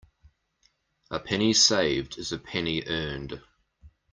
A penny saved is a penny earned.